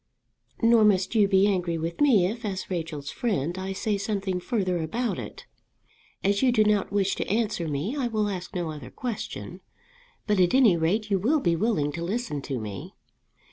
"Nor must you be angry with me if, as Rachel's friend, I say something further about it. As you do not wish to answer me, I will ask no other question; but at any rate you will be willing to listen to me.